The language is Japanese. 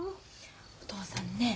お父さんね